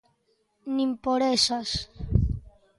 Nin por esas.